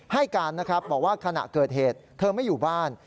ให้การนะครับบอกว่าขณะเกิดเหตุเธอไม่อยู่บ้าน